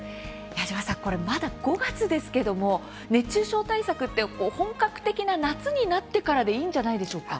矢島さん、まだ５月ですけども熱中症対策って本格的な夏になってからでいいんじゃないでしょうか。